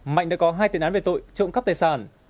mạnh đã có hai tiền án về tội trộm cắp tài sản